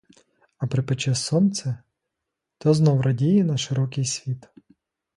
А припече сонце — то знов радіє на широкий світ.